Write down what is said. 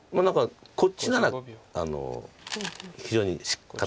こっちなら非常に堅い。